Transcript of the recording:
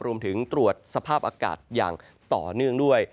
รวมถึงตรวจสภาพอากาศอย่างต่อเนื่องด้วย